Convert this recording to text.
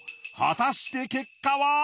果たして結果は！？